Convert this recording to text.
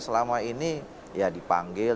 selama ini ya dipanggil